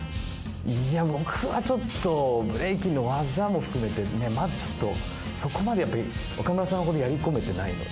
いや僕はちょっとブレイキンの技も含めてまだそこまで岡村さんほどやり込めてないので。